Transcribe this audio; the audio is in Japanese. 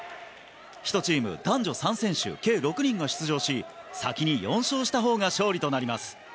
１チーム男女３選手計６人が出場し先に４勝したほうが勝利となります。